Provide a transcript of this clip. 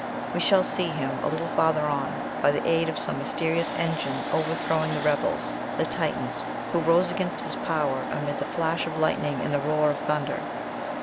We shall see him, a little farther on, by the aid of some mysterious engine overthrowing the rebels, the Titans, who rose against his power, amid the flash of lightning and the roar of thunder.